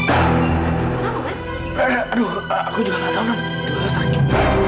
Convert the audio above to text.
aduh aku juga gak tau non tiba tiba sakit